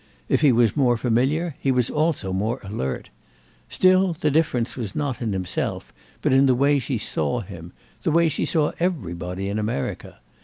If he was more familiar he was also more alert; still, the difference was not in himself, but in the way she saw him—the way she saw everybody in America.